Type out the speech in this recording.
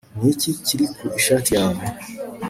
niki kiri ku ishati yawe